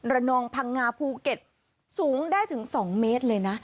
นองพังงาภูเก็ตสูงได้ถึง๒เมตรเลยนะ